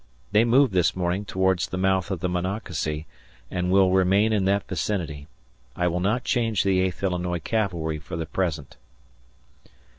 They moved this morning towards the mouth of the Monocacy, and will remain in that vicinity. I will not change the Eighth Illinois Cavalry for the present.